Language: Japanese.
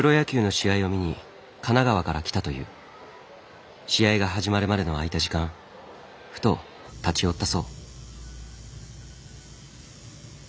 試合が始まるまでの空いた時間ふと立ち寄ったそう。